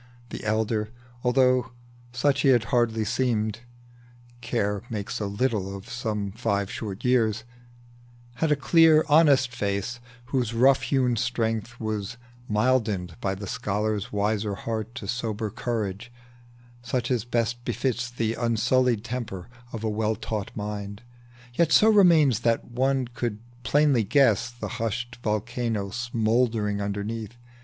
The elder, although he hardly seemed, (Care makes so little of some five short years,) Had a clear, honest face, whose rough hewn strength Was mildened by the scholar's wiser heart To sober courage, such as best befits The unsullied temper of a well taught mind, Yet so remained that one could plainly guess The hushed volcano smouldering underneath.